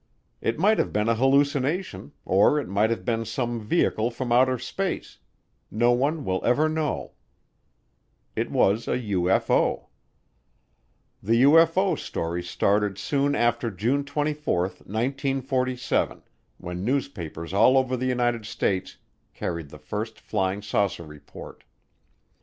It might have been a hallucination or it might have been some vehicle from outer space; no one will ever know. It was a UFO. The UFO story started soon after June 24, 1947, when newspapers all over the United States carried the first flying saucer report.